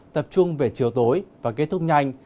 tập trung về chiều tối và kết thúc nhanh